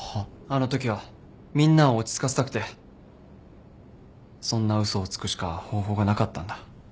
あのときはみんなを落ち着かせたくてそんな嘘をつくしか方法がなかったんだ。